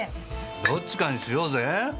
どっちかにしようぜ。